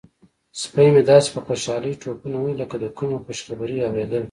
سپی مې داسې په خوشحالۍ ټوپونه وهي لکه د کومې خوشخبرۍ اوریدل.